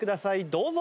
どうぞ！